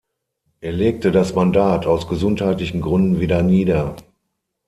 Er legte das Mandat aus gesundheitlichen Gründen wieder nieder.